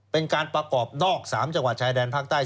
เป็นการประกอบนอก๓จังหวัดชายแดนภาคใต้